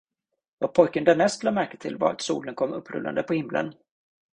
Vad pojken därnäst lade märke till var, att solen kom upprullande på himlen.